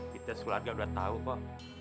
kita sekolah juga udah tahu kok